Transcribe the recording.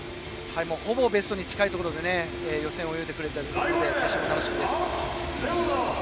ほぼベストに近いところで予選を泳いでくれたので決勝も楽しみです。